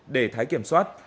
để thái kiểm soát